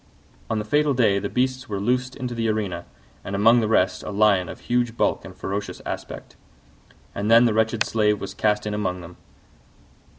On the fatal day the beasts were loosed into the arena, and among the rest a Lion of huge bulk and ferocious aspect; and then the wretched Slave was cast in among them.